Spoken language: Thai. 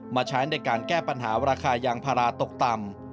ใช้ในการแก้ปัญหาราคายางพาราตกต่ำ